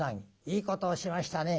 いいことをしましたね。